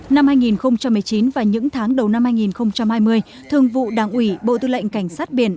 năm hai nghìn một mươi chín và những tháng đầu năm hai nghìn hai mươi thường vụ đảng ủy bộ tư lệnh cảnh sát biển